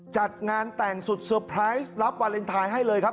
จัดงานแต่งสุดเซอร์ไพรส์รับวาเลนไทยให้เลยครับ